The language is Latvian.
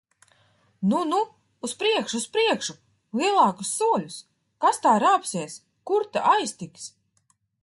Nu, nu! Uz priekšu! Uz priekšu! Lielākus soļus! Kas tā rāpsies! Kur ta aiztiks!